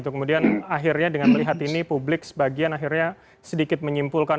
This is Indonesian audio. kemudian akhirnya dengan melihat ini publik sebagian akhirnya sedikit menyimpulkan